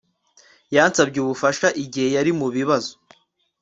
Yansabye ubufasha igihe yari mu bibazo